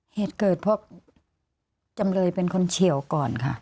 เหตุเกิดเพราะจำเลยเป็นคนเฉียวก่อนค่ะ